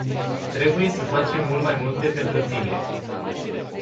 Trebuie să facem mult mai multe pentru tineri.